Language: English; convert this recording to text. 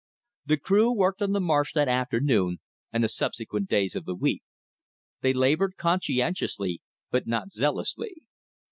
The crew worked on the marsh that afternoon, and the subsequent days of the week. They labored conscientiously but not zealously.